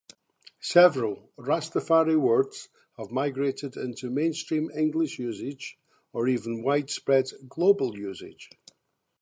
Several Rastafari words have migrated into mainstream English usage, or even widespread global usage.